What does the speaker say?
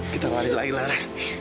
kita lari lagi lara